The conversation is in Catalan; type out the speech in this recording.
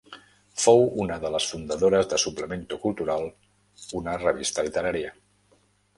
Fou una de les fundadores de "Suplemento Cultural", una revista literària.